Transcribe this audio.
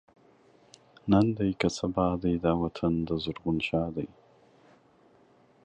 نن دی که سبا دی، دا مال دَ زرغون شاه دی